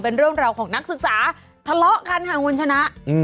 เป็นเรื่องราวของนักศึกษาทะเลาะกันค่ะคุณชนะ